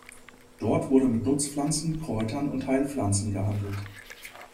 Dort wurde mit Nutzpflanzen, Kräutern und Heilpflanzen gehandelt.